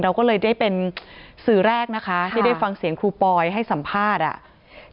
เราก็เลยได้เป็นสื่อแรกนะคะที่ได้ฟังเสียงครูปอยให้สัมภาษณ์อ่ะ